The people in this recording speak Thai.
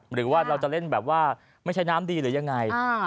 หรือว่าเราจะเล่นแบบว่าไม่ใช่น้ำดีหรือยังไง